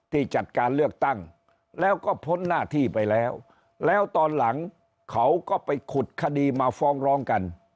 ที่จัดการเลือกตั้งแล้วก็พ้นหน้าที่ไปแล้วแล้วตอนหลังเขาก็ไปขุดคดีมาฟ้องร้องกัน